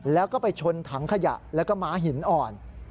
แล้วก็ไปชนถังขยะแล้วก็ม้าหินอ่อน